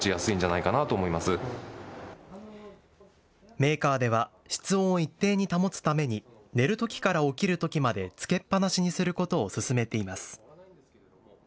メーカーでは室温を一定に保つために寝るときから起きるときまでつけっぱなしにすることを勧めています。